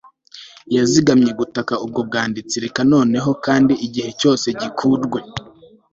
yazigamye gukata ubwo bwanditsi.) reka noneho kandi igihe cyose gikurwe